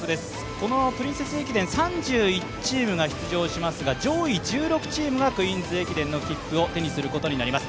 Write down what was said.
このプリンセス駅伝３１チームが出場しますが上位１６チームがクイーンズ駅伝の切符を手にすることになります。